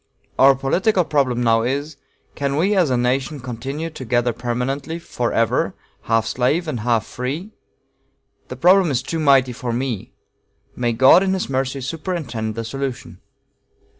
Our political problem now is, 'Can we as a nation continue together permanently forever half slave and half free?' The problem is too mighty for me may God, in his mercy, superintend the solution."